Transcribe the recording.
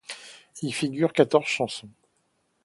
Y figurent quatorze chansons.